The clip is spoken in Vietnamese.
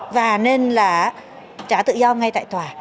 và nên là trả tự do ngay tại tòa